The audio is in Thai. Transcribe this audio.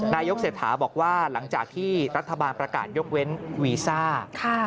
นายกเศรษฐาบอกว่าหลังจากที่รัฐบาลประกาศยกเว้นวีซ่า